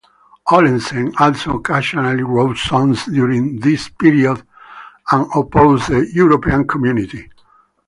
Olesen also occasionally wrote songs during this period and opposed the European Community.